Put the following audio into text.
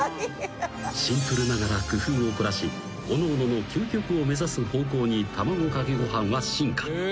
［シンプルながら工夫を凝らしおのおのの究極を目指す方向に卵かけご飯は進化］